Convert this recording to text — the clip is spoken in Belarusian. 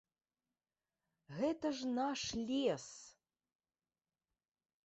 Гэта ж наш лес!